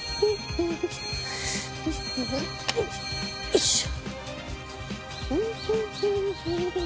よいしょ。